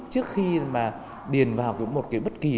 trước khi mà điền vào một cái bất kỳ